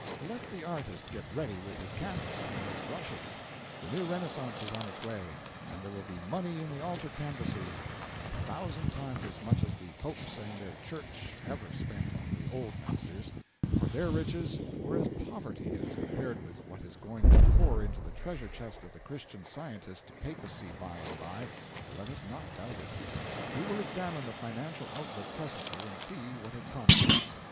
Let the artist get ready with his canvas and his brushes; the new Renaissance is on its way, and there will be money in altar canvases a thousand times as much as the Popes and their Church ever spent on the Old Masters; for their riches were as poverty as compared with what is going to pour into the treasure chest of the Christian Scientist Papacy by and by, let us not doubt it. We will examine the financial outlook presently and see what it promises.